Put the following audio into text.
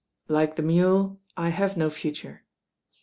Like the mule, I have no future."